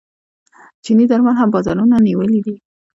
چیني درمل هم بازارونه نیولي دي.